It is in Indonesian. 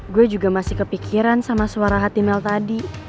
gue juga masih kepikiran sama suara hati mell tadi